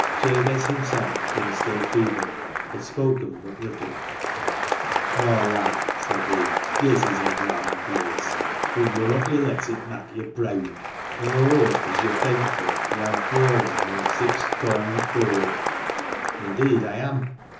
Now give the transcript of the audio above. Jabez, himself, being still feeble, had spoken but little. " Moi lad," said he, " this is a grand place, but dunnot yo' let it mak' yo' preawd ; an' aw hope as yo'r thenkful yo'han fallen among sich koind folk." "Indeed I am."